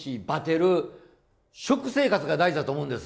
食生活が大事だと思うんです。